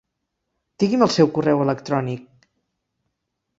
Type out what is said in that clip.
Digui'm el seu correu electrònic.